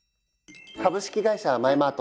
株式会社マエマート